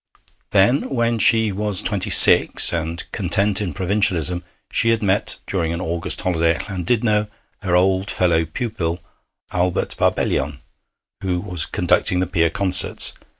Then, when she was twenty six, and content in provincialism, she had met during an August holiday at Llandudno her old fellow pupil, Albert Barbellion, who was conducting the Pier concerts.